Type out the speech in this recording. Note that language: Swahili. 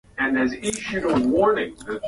Alipokwisha kunena, alimwambia Simoni.